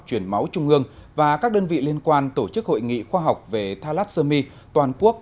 chuyển máu trung ương và các đơn vị liên quan tổ chức hội nghị khoa học về thalassomy toàn quốc